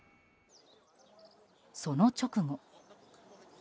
その直後。